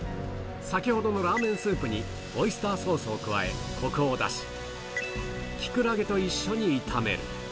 先ほどのラーメンスープにオイスターソースを加え、こくを出し、キクラゲと一緒に炒める。